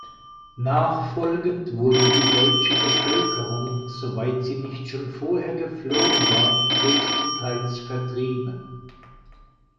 Nachfolgend wurde die deutsche Bevölkerung, soweit sie nicht schon vorher geflohen war, größtenteils vertrieben.